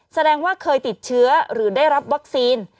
แสดงว่าเคยติดเชื้อหรือได้รับวัคซีน